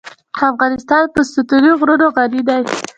افغانستان په ستوني غرونه غني دی.